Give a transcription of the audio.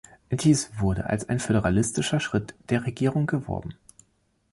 Dies wurde als ein föderalistischer Schritt der Regierung geworben.